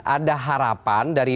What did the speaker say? ada harapan dari